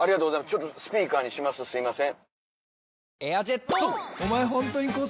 ちょっとスピーカーにしますすいません。